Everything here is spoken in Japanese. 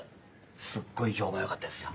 すっごい評判良かったですよ。